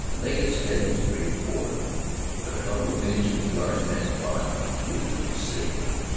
Legget's headin' straight fer it. With a couple of Injuns guardin' thet spot, he'll think he's safe.